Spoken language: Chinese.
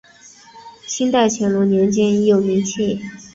清代乾隆年间已有名气。